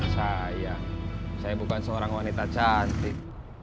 saya saya bukan seorang wanita cantik